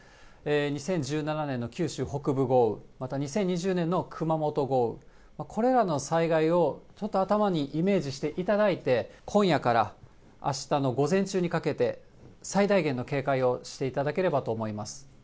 ２０１７年の九州北部豪雨、また２０２０年の熊本豪雨、これらの災害をちょっと頭にイメージしていただいて、今夜からあしたの午前中にかけて、最大限の警戒をしていただければと思います。